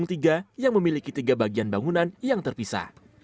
seperti candi gedong tiga yang memiliki tiga bagian bangunan yang terpisah